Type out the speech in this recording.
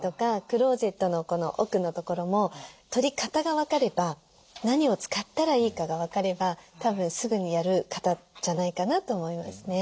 クローゼットの奥のところも取り方が分かれば何を使ったらいいかが分かればたぶんすぐにやる方じゃないかなと思いますね。